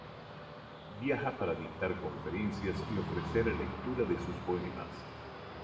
Viaja para dictar conferencias y ofrecer lecturas de sus poemas.